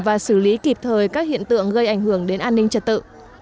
và xử lý kịp thời các hiện tượng gây ảnh hưởng đến an ninh trật tự